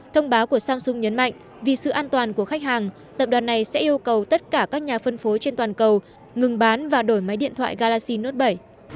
thông báo của samsung nhấn mạnh vì sự an toàn của khách hàng tập đoàn này sẽ yêu cầu tất cả các nhà phân phối trên toàn cầu ngừng bán và đổi máy điện thoại galaxy note bảy